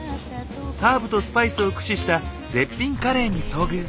ハーブとスパイスを駆使した絶品カレーに遭遇！